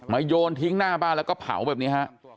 โยนทิ้งหน้าบ้านแล้วก็เผาแบบนี้ฮะ